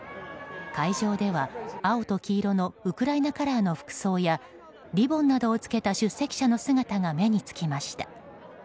会場では青と黄色のウクライナカラーの服装やリボンなどを着けた出席者の姿が目に付きました。